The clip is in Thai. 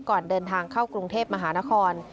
ก่อนเดินทางเข้ากรุงเทพมหานคร